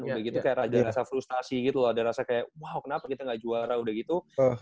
begitu kayak rada rasa frustasi gitu loh ada rasa kayak wow kenapa kita gak juara udah gitu